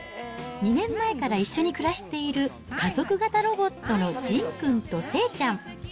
２年前から一緒に暮らしている、家族型ロボットのじんくんとせいちゃん。